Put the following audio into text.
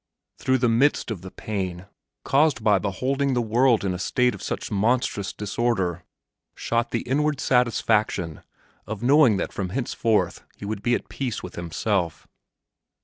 Through the midst of the pain caused by beholding the world in a state of such monstrous disorder, shot the inward satisfaction of knowing that from henceforth he would be at peace with himself.